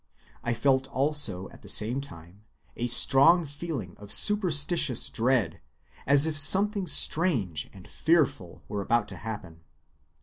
I felt also at the same time a strong feeling of superstitious dread, as if something strange and fearful were about to happen."